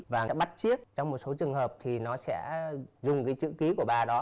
và nó bắt chiếc trong một số trường hợp thì nó sẽ dùng cái chữ ký của bà đó